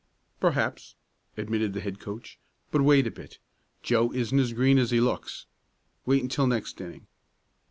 "Perhaps," admitted the head coach. "But wait a bit. Joe isn't as green as he looks. Wait until next inning."